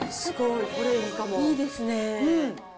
いいですね。